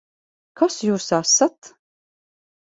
Kas jūs esat?